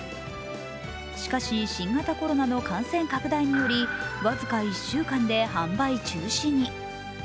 しかし新型コロナの感染拡大により僅か１週間で販売中止に。